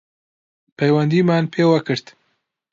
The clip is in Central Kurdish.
پەیوەندیمان پێوە گرت